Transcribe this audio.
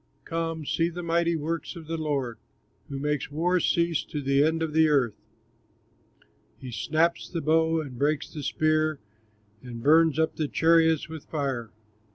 Come, see the mighty works of the Lord, Who makes wars cease to the end of the earth He snaps the bow, and breaks the spear, And burns up the chariots with fire.